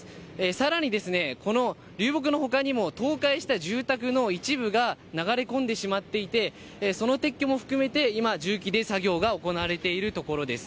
さらにですね、この流木のほかにも、倒壊した住宅の一部が流れ込んでしまっていて、その撤去も含めて、今、重機で作業が行われているところです。